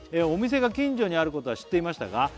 「お店が近所にあることは知っていましたが」